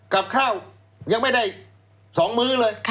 กับข้าวยังไม่ได้๒มื้อเลย